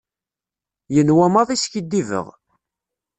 Yenwa maḍi skiddibeɣ.